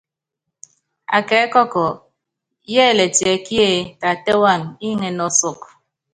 Akɛkɔkɔ, yɛ́litiɛkíe, tatɛ́ wam, iŋɛ́nɛ́ ɔsɔkɔ.